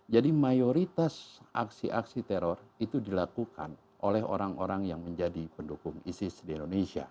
jadi mayoritas aksi aksi teror itu dilakukan oleh orang orang yang menjadi pendukung isis di indonesia